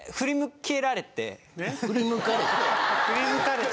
振り向かれて？